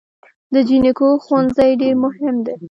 د جینکو ښوونځي ډیر مهم دی